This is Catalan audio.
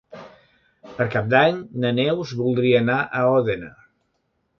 Per Cap d'Any na Neus voldria anar a Òdena.